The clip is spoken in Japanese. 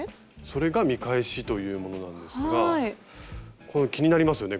それが見返しというものなんですが気になりますよね